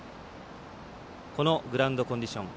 このグラウンドコンディション。